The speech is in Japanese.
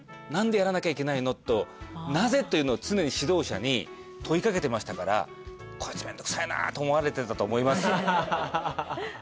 「何でやらなきゃいけないの？」と「なぜ？」というのを常に指導者に問い掛けてましたから「こいつめんどくさいな」と思われてたと思いますよ。